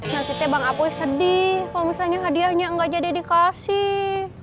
nanti teh bang apoy sedih kalau misalnya hadiahnya gak jadi dikasih